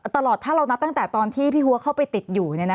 ตลอดถ้าเรานับตั้งแต่ตอนที่พี่หัวเข้าไปติดอยู่